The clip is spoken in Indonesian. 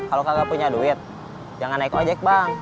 kalau kagak punya duit jangan naik ojek bang